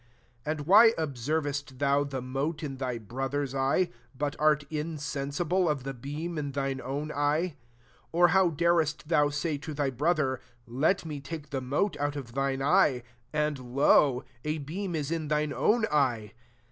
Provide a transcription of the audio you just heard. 3 And why observest thou the mote in thy brotiier's eye, but art insensible of the beam in thine own eye I 4 Or how darest thou say to thy brother, * Let me take the moteout of thine eye,' and, lo, a beam is in thine own eye